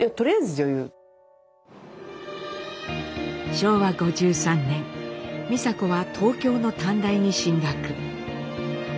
昭和５３年美佐子は東京の短大に進学。